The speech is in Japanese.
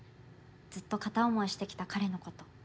ずっと片思いしてきた彼のこと。